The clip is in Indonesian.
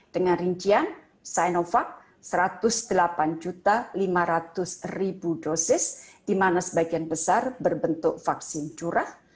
dengan rincian sinovac satu ratus delapan lima ratus dosis di mana sebagian besar berbentuk vaksin curah